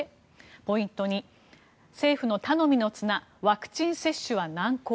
ポイント２、政府の頼みの綱ワクチン接種は難航。